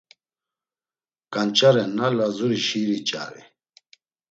Ganç̌arenna Lazuri şiiri ç̌ari.